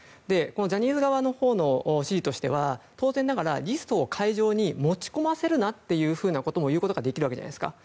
ジャニーズ側のほうの指示としては当然ながらリストを会場に持ち込ませるなということも言うことができるわけじゃないですか。